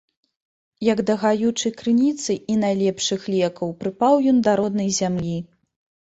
Як да гаючай крыніцы і найлепшых лекаў прыпаў ён да роднай зямлі.